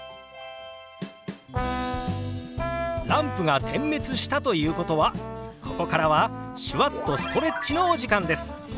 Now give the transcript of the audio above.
ランプが点滅したということはここからは手話っとストレッチのお時間です！